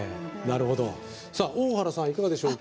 大原さん、いかがでしょうか。